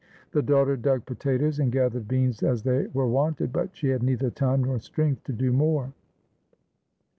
The daughter dug potatoes and gathered beans as they were wanted, but she had neither time nor strength to do more.